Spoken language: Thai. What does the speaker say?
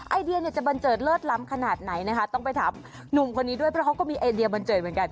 ไอเดียเนี่ยจะบันเจิดเลิศล้ำขนาดไหนนะคะต้องไปถามหนุ่มคนนี้ด้วยเพราะเขาก็มีไอเดียบันเจิดเหมือนกัน